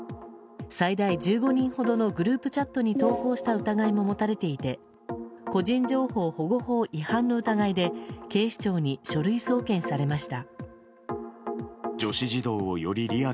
最大１５人ほどのグループチャットに投稿した疑いも持たれていて個人情報保護法違反の疑いで警視庁に書類送検されました。